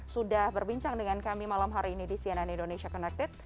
sudah berbincang dengan kami malam hari ini di cnn indonesia connected